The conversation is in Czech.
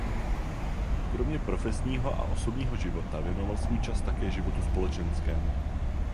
Kromě profesního a osobního života věnoval svůj čas také životu společenskému.